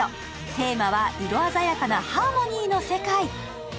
テーマは、色鮮やかなハーモニーの世界。